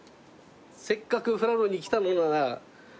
「せっかく富良野に来たのなら」